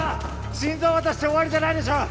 心臓渡して終わりじゃないでしょ